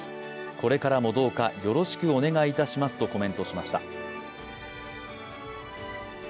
これからもどうかよろしくお願いいたしますとコメントしました。